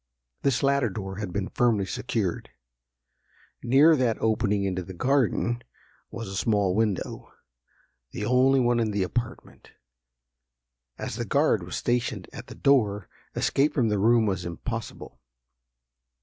This latter door had been firmly secured. Near that opening into the garden, was a small window, the only one in the apartment. As the guard was stationed at the door, escape from the room was impossible.